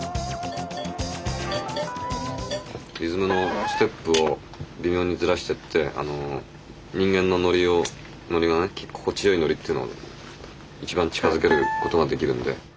リズムのステップを微妙にずらしてって人間のノリのね心地よいノリっていうのに一番近づけることができるんで。